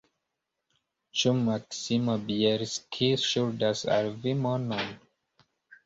Ĉu Maksimo Bjelski ŝuldas al vi monon?